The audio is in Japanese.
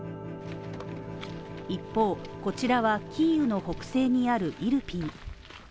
一方こちらはキーウの北西にあるイルピン。